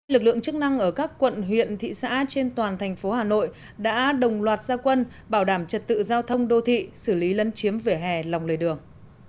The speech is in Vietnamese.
lực lượng chức năng ở các quận huyện thị xã trên toàn thành phố hà nội đã đồng loạt gia quân bảo đảm trật tự giao thông đô thị xử lý lấn chiếm vỉa hè lòng lề đường